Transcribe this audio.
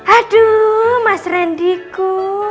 aduh mas rendiku